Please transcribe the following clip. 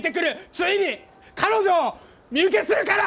ついに彼女を身請けするから！